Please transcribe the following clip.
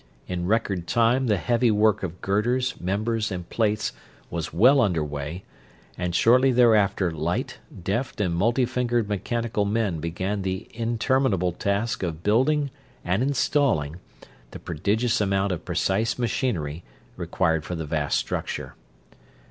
In record time the heavy work of girders, members, and plates was well under way; and shortly thereafter light, deft, and multi fingered mechanical men began the interminable task of building and installing the prodigious amount of precise machinery required for the vast structure.